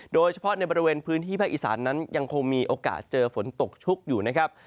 โดยเฉพาะในบริเวณพื้นที่ภาคอีสานนั้นยังคงมีโอกาสเจอฝนตกชุกอยู่นะครับ